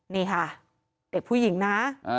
นี่ค่ะเด็กผู้หญิงนะ